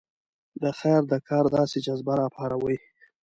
د خیر د کار داسې جذبه راپاروي.